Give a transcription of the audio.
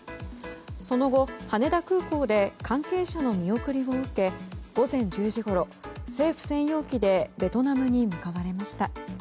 その後、羽田空港で関係者の見送りを受け午前１０時ごろ、政府専用機でベトナムに向かわれました。